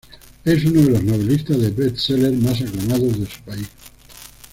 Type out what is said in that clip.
Es uno de los novelistas de best-sellers más aclamado de su país.